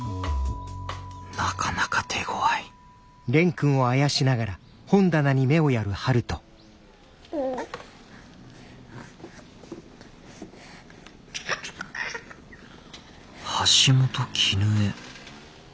なかなか手ごわい橋本絹江。